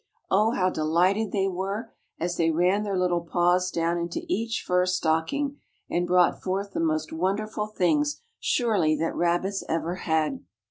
O, how delighted they were, as they ran their little paws down into each fur stocking, and brought forth the most wonderful things, surely, that rabbits ever had.